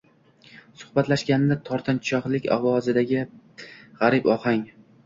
Suhbatlashgandagi tortinchoqliq ovozidagi g'arib ohang